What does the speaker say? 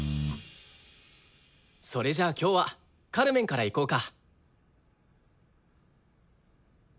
それじゃあ今日は「カルメン」からいこうか。